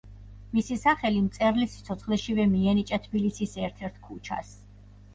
მისი სახელი მწერლის სიცოცხლეშივე მიენიჭა თბილისის ერთ-ერთ ქუჩას.